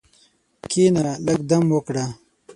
کښېنه، لږ دم وکړه.